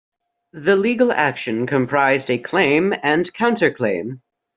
The legal action comprised a claim and counterclaim.